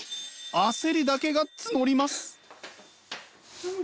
焦りだけが募ります。